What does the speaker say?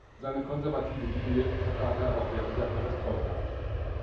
Seine konservative Linie vertrat er auch während der Perestroika.